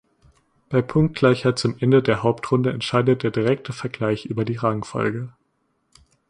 Bei Punktgleichheit zum Ende der Hauptrunde entscheidet der direkte Vergleich über die Rangfolge.